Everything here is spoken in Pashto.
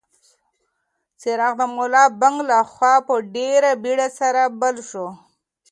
څراغ د ملا بانګ لخوا په ډېرې بېړه بل شو.